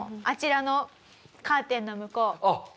あちらのカーテンの向こう